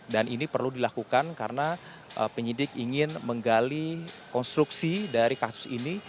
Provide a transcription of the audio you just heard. dan ini perlu dilakukan karena penyidik ingin menggali konstruksi dari kasus ini